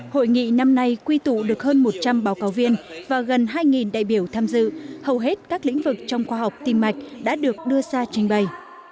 hội nghị năm nay quy tụ được hơn một trăm linh báo cáo viên và gần hai đại biểu tham dự hầu hết các lĩnh vực trong khoa học tim mạch đã được đưa ra trình bày